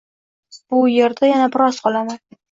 Bu erda yana biroz qolaman